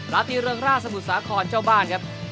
ราตรีเริงราชสมุทรสาครเจ้าบ้านครับ